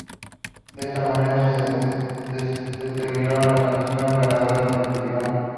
De esta manera, se determinó la canción ganadora del Festival.